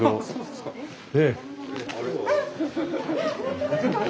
そうですね。